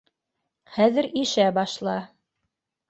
- Хәҙер ишә башла.